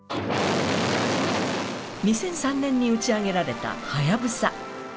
２００３年に打ち上げられた「はやぶさ」。